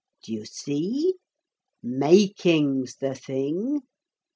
D'you see? Making's the thing.